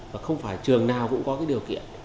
và không phải trường nào cũng có cái điều kiện